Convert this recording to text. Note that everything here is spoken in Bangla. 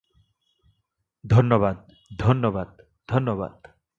ধন্যবাদ, ধন্যবাদ, ধন্যবাদ।